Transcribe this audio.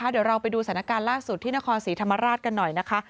เดี๋ยวเราไปดูสถานการณ์ล่าสุดที่นครศรีธรรมราชกันหน่อยนะคะ